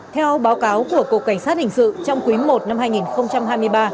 theo báo cáo của cục cảnh sát hình sự trong quý i năm hai nghìn hai mươi ba